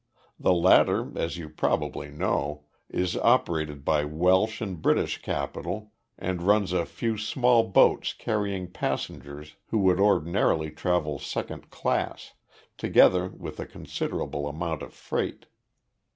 The latter, as you probably know, is operated by Welsh and British capital and runs a few small boats carrying passengers who would ordinarily travel second class, together with a considerable amount of freight.